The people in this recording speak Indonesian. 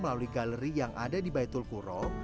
melalui galeri yang ada di baitul kuro